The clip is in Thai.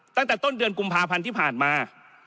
ตั้งแต่ต้นเดือนกุมภาพันธ์ที่ผ่านมา